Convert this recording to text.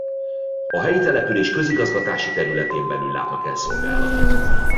A helyi település közigazgatási területén belül látnak el szolgálatot.